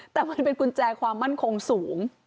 แต่มันเป็นกุญแจความมั่นคงสูง